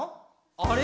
あれ？